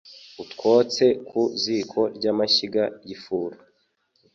Utwotse ku ziko ry’amashyiga y’ifuru.